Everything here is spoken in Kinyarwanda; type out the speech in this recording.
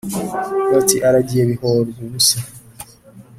bati : aragiye bihorwubusa.